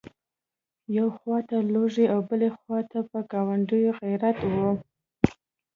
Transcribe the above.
یوې خواته لوږه او بلې خواته په ګاونډي غیرت.